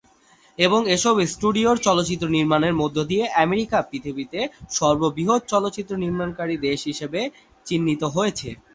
এবং এসব স্টুডিওর চলচ্চিত্র নির্মাণের মধ্য দিয়ে আমেরিকা পৃথিবীতে সর্ববৃহৎ চলচ্চিত্র নির্মাণকারী দেশ হিসেবে চিহ্নিত হয়েছে।